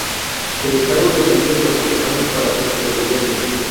El Estado dependía de los alemanes para su supervivencia.